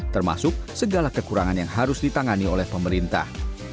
termasuk segala kekurangan yang harus ditangani oleh pemerintah